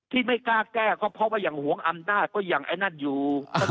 ที่ไม่กล้าแก้ก็เพราะว่าอย่างหวงอำนาจก็อย่างไอ้นั่นอยู่